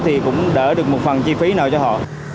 thì cũng đỡ được một phần chi phí nào cho họ